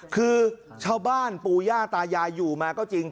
คือชาวบ้านปู่ย่าตายายอยู่มาก็จริง